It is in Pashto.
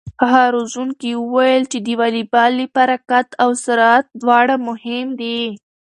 هغه روزونکی وویل چې د واليبال لپاره قد او سرعت دواړه مهم دي.